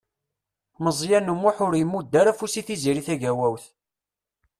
Meẓyan U Muḥ ur imudd ara afus i Tiziri Tagawawt.